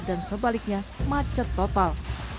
dan sebaliknya macet total